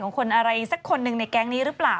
คนอะไรสักคนหนึ่งในแก๊งนี้หรือเปล่า